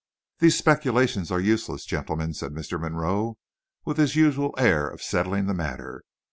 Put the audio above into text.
"These speculations are useless, gentlemen," said Mr. Monroe, with his usual air of settling the matter.